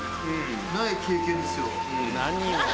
ない経験ですよ。